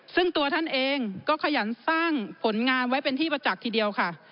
ซึ่งตัวท่านเองก็ขยันสร้างผลงานไว้เป็นที่ประจักษ์ทีเดียวค่ะ